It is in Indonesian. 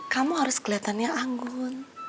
kamu harus kelihatannya anggun